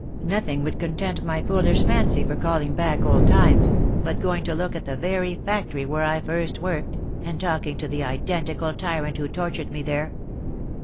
Nothing would content my foolish fancy for calling back old times, but going to look at the very factory where I first worked, and talking to the identical tyrant who tortured me there."